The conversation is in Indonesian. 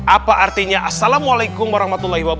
apa artinya assalamualaikum wr wb